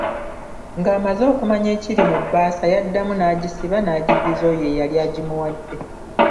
Ng’amaze okumanya ekiri mu bbaasa yaddamu n'agisiba n'agiddiza oyo eyali agimuwadde.